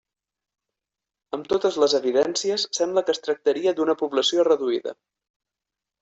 Amb totes les evidències, sembla que es tractaria d'una població reduïda.